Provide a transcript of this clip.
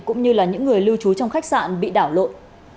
cũng như là những người lưu trú trong khách sạn bị đảo lộn